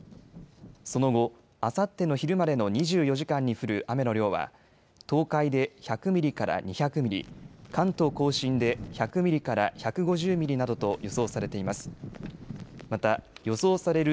その後、あさっての昼までの２４時間に降る雨の量は東海で１００ミリから２００ミリ、関東甲信で１００ミリから１５０ミリなどと予想されています。